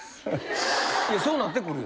そうなってくるよ。